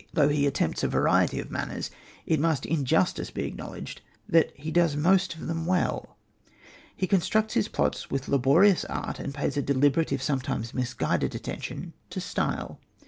Though he attempts a variety of manners, it must in justice be acknowledged that he does most of them well. He constructs his plots with laborious art, and pays a deliberate, if sometimes misguided, attention to style.